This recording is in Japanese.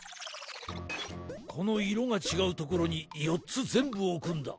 このいろがちがうところによっつぜんぶおくんだ。